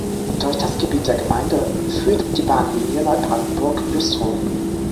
Durch das Gebiet der Gemeinde führt die Bahnlinie Neubrandenburg-Güstrow.